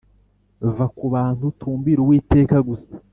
va kubantu utumbire uwiteka gusa